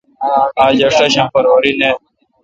آج ایݭٹم فروری نہ۔